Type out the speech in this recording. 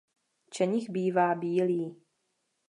Čenich bývá bílý.